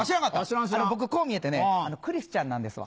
僕こう見えてねクリスちゃんなんですわ。